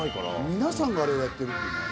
皆さんがあれをやってるっていうのは。